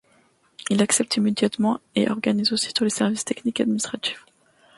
Il accepte immédiatement et organise aussitôt les services techniques et administratifs.